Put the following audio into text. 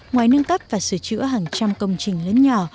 ngoài nâng cấp và sửa chữa hàng trăm công trình lớn nhỏ